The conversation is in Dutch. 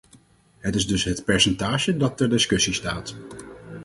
Het is dus het percentage dat ter discussie staat.